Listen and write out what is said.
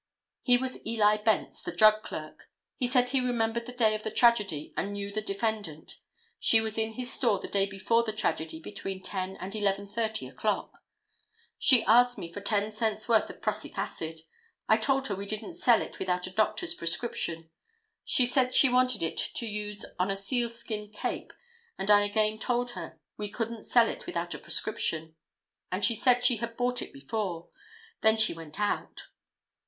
He was Eli Bence, the drug clerk. He said he remembered the day of the tragedy and knew the defendant. She was in his store the day before the tragedy between 10 and 11:30 o'clock. "She asked me for ten cents worth of prussic acid. I told her we didn't sell it without a doctor's prescription. She said she wanted to use it on a sealskin cape and I again told her we couldn't sell it without a prescription, and she said she had bought it before. Then she went out."